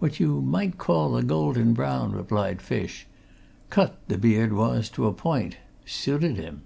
"What you might call a golden brown," replied Fish. "Cut the beard was to a point. Suited him."